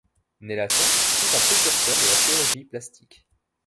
Nélaton fut un précurseur de la chirurgie plastique.